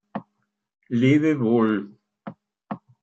Lebe wohl!